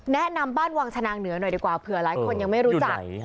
แนะนำบ้านวังชนางเหนือหน่อยดีกว่าเผื่อหลายคนยังไม่รู้จัก